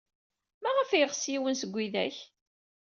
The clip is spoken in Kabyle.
Maɣef ay yeɣs yiwen seg widak?